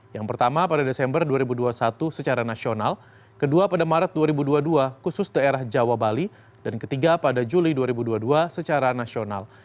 yang pertama pada desember dua ribu dua puluh satu secara nasional kedua pada maret dua ribu dua puluh dua khusus daerah jawa bali dan ketiga pada juli dua ribu dua puluh dua secara nasional